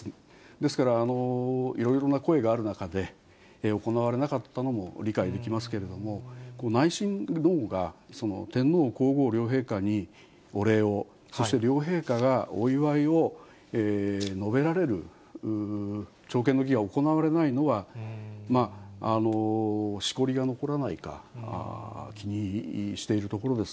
ですから、いろいろな声がある中で、行われなかったのも理解できますけれども、内親王が天皇皇后両陛下にお礼を、そして両陛下がお祝いを述べられる、朝見の儀が行われないのは、しこりが残らないか、気にしているところです。